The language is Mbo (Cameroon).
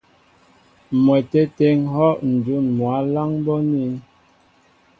M̀mwɛtê tê ŋ̀hɔ́ ǹjún mwǎ á láŋ bɔ́ anín.